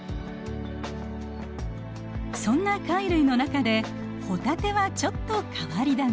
そんな貝類の中でホタテはちょっと変わり種。